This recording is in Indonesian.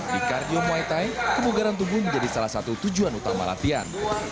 di kardio muay thai kebugaran tubuh menjadi salah satu tujuan utama latihan